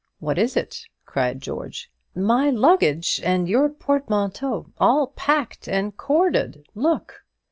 "What is it?" cried George. "My luggage and your portmanteau, all packed and corded; look!"